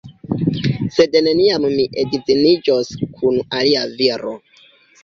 Sed neniam mi edziniĝos kun alia viro.